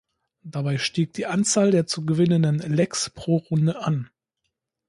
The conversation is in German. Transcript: Dabei stieg die Anzahl der zu gewinnenden "legs" pro Runde an.